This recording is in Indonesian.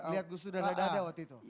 lihat gus dur dan dada waktu itu